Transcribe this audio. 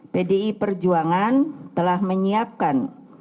pdi perjuangan telah menyiapkan